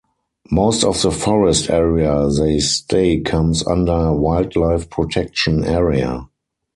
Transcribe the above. Most of the forest area they stay comes under wild life protection area.